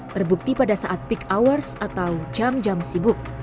terbukti pada saat peak hours atau jam jam sibuk